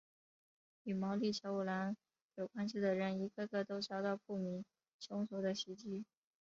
与毛利小五郎有关系的人一个个都遭到不明凶手的袭击。